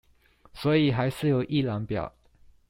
所以還是有一覽表